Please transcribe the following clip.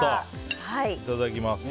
いただきます。